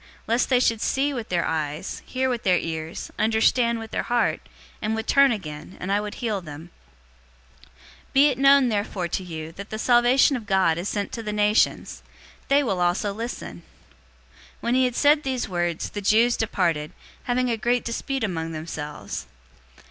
Lest they should see with their eyes, hear with their ears, understand with their heart, and would turn again, and I would heal them.'{Isaiah 6:9 10} 028:028 "Be it known therefore to you, that the salvation of God is sent to the nations. They will also listen." 028:029 When he had said these words, the Jews departed, having a great dispute among themselves.